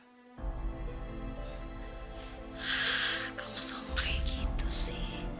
hah kau ngasih omong kayak gitu sih